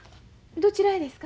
どちらへですか？